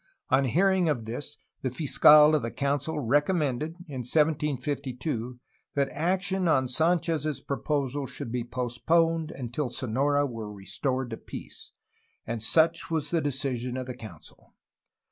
On hearing of this the fiscal of the Council recom mended, in 1752, that action on Sanchez's proposals should be postponed until Sonora were restored to peace, and such was the decision of the Council.